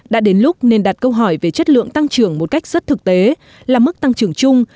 đã đến lúc nên đặt câu hỏi về chất lượng tăng trưởng một cách rất thực tế là mức tăng trưởng chung